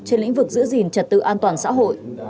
trên lĩnh vực giữ gìn trật tự an toàn xã hội